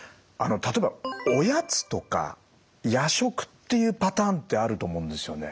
例えばおやつとか夜食っていうパターンってあると思うんですよね。